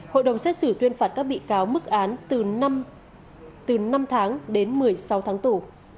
hội đồng xét xử tuyên phạt các bị cáo mức án từ năm tháng đến một mươi sáu tháng tù